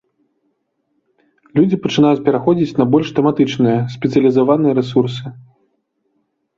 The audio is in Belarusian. Людзі пачынаюць пераходзіць на больш тэматычныя, спецыялізаваныя рэсурсы.